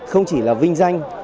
không chỉ là vinh danh